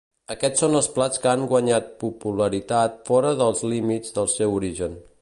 Aquests són els plats que han guanyat popularitat fora dels límits del seu origen.